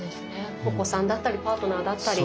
お子さんだったりパートナーだったり。